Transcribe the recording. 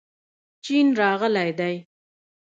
چین راغلی دی.